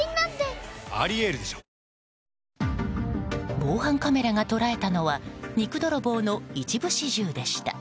防犯カメラが捉えたのは肉泥棒の一部始終でした。